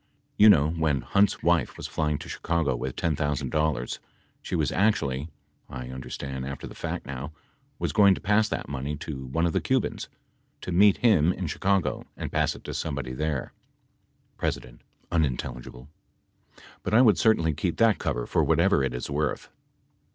You know, when Hunt's wife was flying to Chicago with $10,000 she was actually, I understand after the fact now, was going to pass that money to one of the Cubans — to meet him in Chicago and pass it to somebody there. P. [unintelligible] but I would, certainly keep that cover for whatever it is worth.